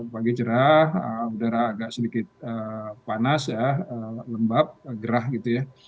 pagi cerah udara agak sedikit panas ya lembab gerah gitu ya